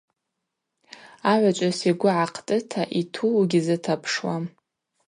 Агӏвычӏвгӏвыс йгвы гӏахътӏыта йту уыгьзытапшуам.